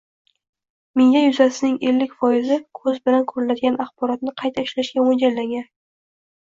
Miya yuzasining ellik foizi ko‘z bilan ko‘riladigan axborotni qayta ishlashga mo‘ljallangan.